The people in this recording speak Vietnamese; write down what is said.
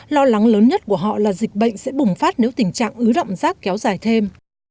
lo lắng lớn nhất của họ là dịch bệnh sẽ bùng phát nếu tình trạng ứ động rác kéo dài thêm